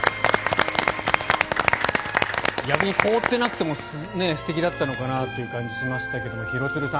逆に凍っていなくても素敵だったのかなという感じがしましたけど廣津留さん